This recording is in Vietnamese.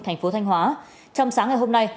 thành phố thanh hóa trong sáng ngày hôm nay